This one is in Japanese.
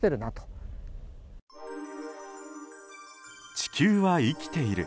地球は生きている。